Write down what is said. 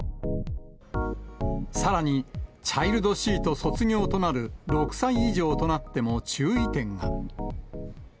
さらに、チャイルドシート卒業となる６歳以上となっても、注意点が。